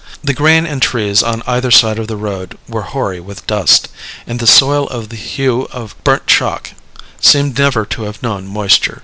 The grain and trees on either side of the road were hoary with dust, and the soil of the hue of burnt chalk, seemed never to have known moisture.